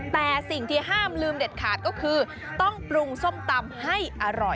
แต่สิ่งที่ห้ามลืมเด็ดขาดก็คือต้องปรุงส้มตำให้อร่อย